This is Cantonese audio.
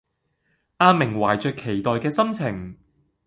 阿明懷著期待嘅心情